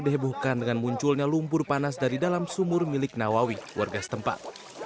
dihebohkan dengan munculnya lumpur panas dari dalam sumur milik nawawi warga setempat